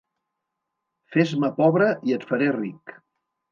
Fes-me pobre i et faré ric.